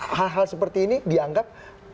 hal hal seperti ini dianggap